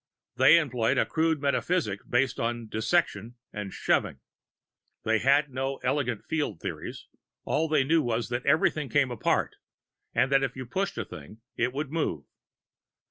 They employed a crude metaphysic based on dissection and shoving. They had no elegant field theories. All they knew was that everything came apart, and that if you pushed a thing, it would move.